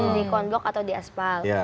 di contbox atau di aspal